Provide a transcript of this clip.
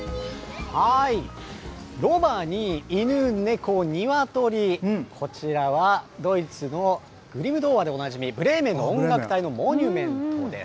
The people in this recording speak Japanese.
ロバに犬、猫、ニワトリ、こちらは、ドイツのグリム童話でおなじみ、ブレーメンの音楽隊のモニュメントです。